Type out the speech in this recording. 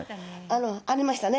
ありましたね。